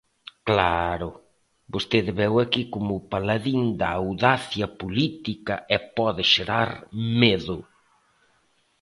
Claro, vostede veu aquí como o paladín da audacia política e pode xerar medo.